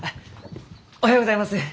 おはようございます。